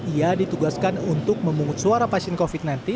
ia ditugaskan untuk memungut suara pasien covid sembilan belas